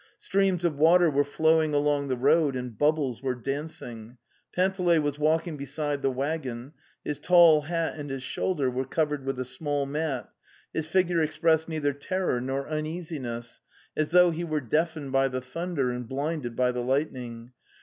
Streams of water were flowing along the road and bubbles were dancing. Panteley was walking beside the waggon; his tall hat and his shoulder were cov ered with a small mat; his figure expressed neither terror nor uneasiness, as though he were deafened by the thunder and blinded by the lightning.